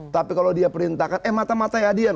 tapi kalau dia perintahkan eh mata matanya adian